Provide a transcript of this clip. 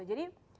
jadi ya bisa gitu